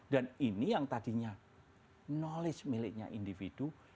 dan ini yang tadinya knowledge miliknya individual